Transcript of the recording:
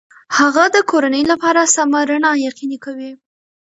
هغه د کورنۍ لپاره سمه رڼا یقیني کوي.